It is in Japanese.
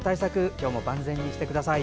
今日も万全にしてください。